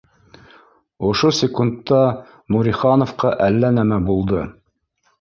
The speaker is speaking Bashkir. Ошо секундта Нурихановҡа әллә нәмә булды